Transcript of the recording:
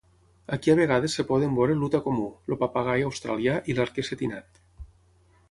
Aquí a vegades es poden veure l'uta comú, el papagai australià i l'arquer setinat.